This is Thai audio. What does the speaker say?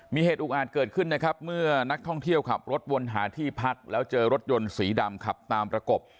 มีเหตุอุกอาจเกิดขึ้นนะครับเมื่อนักท่องเที่ยวขับรถวนหาที่พักแล้วเจอรถยนต์สีดำขับตามประกบ